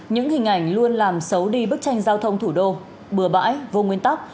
những hình ảnh luôn làm xấu đi bức tranh giao thông thủ đô bừa bãi vô nguyên tắc